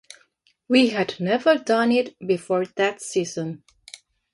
He had never done it before that season.